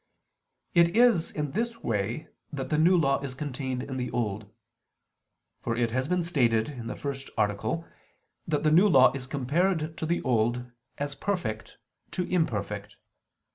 It is in this way that the New Law is contained in the Old: for it has been stated (A. 1) that the New Law is compared to the Old as perfect to imperfect.